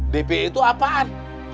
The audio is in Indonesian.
dpo itu apaan